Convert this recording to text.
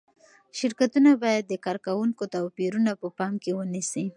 شرکتونه باید د کارکوونکو توپیرونه په پام کې ونیسي.